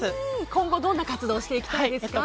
今後どんな活動をしていきたいですか？